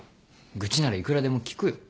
愚痴ならいくらでも聞くよ。